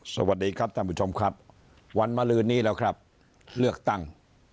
สวัสดีครับท่านผู้ชมครับวันมาลืนนี้แล้วครับเลือกตั้ง